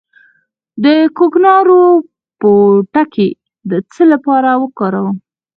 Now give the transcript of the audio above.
د کوکنارو پوټکی د څه لپاره وکاروم؟